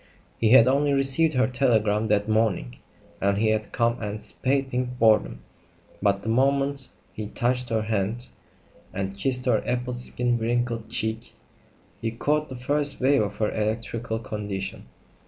He had only received her telegram that morning, and he had come anticipating boredom; but the moment he touched her hand and kissed her apple skin wrinkled cheek, he caught the first wave of her electrical condition.